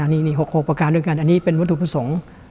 นี่๖๖ประการด้วยกันอันนี้เป็นวัตถุประสงค์